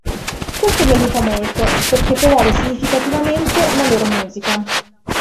Questo li aiuta molto, perché promuove significativamente la loro musica.